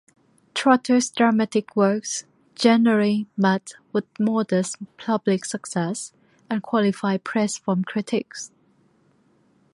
Trotter's dramatic works generally met with modest public success and qualified praise from critics.